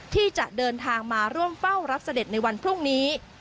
ที่จะเดินทางมาร่วมเฝ้ารับเสด็จในวันพรุ่งนี้